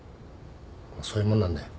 そういうもんなんだよ。